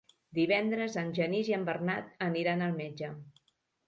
Divendres en Genís i en Bernat aniran al metge.